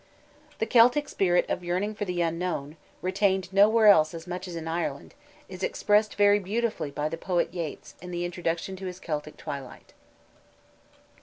The Celtic spirit of yearning for the unknown, retained nowhere else as much as in Ireland, is expressed very beautifully by the poet Yeats in the introduction to his Celtic Twilight.